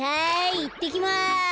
いってきます！